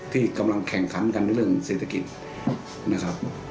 ที่กำลังแข่งขันกันในเรื่องเศรษฐกิจนะครับ